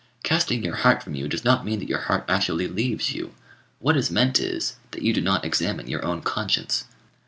Casting your heart from you does not mean that your heart actually leaves you: what is meant is, that you do not examine your own conscience.